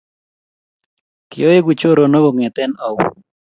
Kyoegu choronok kongeete au?